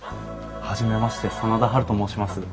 初めまして真田ハルと申します。